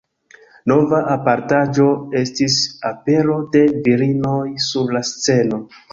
Nova apartaĵo estis apero de virinoj sur la sceno.